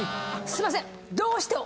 すいません！